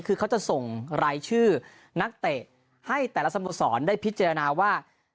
คือเขาจะส่งรายชื่อนักเตะให้แต่ละสโมสรได้พิจารณาว่า